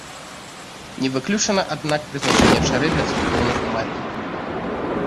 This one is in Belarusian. Не выключана, аднак, прызначэнне чары для царкоўных мэт.